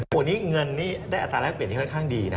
วันนี้เงินนี่ได้อัตราแรกเปลี่ยนที่ค่อนข้างดีนะ